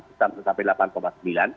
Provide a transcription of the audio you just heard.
bisa mencapai delapan sembilan